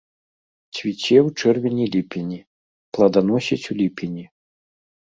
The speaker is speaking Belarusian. Цвіце ў чэрвені-ліпені, пладаносіць у ліпені.